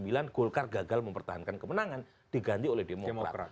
tahun dua ribu sembilan golkar gagal mempertahankan kemenangan diganti oleh demokrat